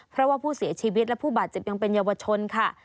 เพราะว่าผู้เสียชีวิตและผู้บาดเจ็บยังเป็นเยาวชนค่ะ